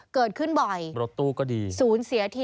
เกิดขึ้นบ่อย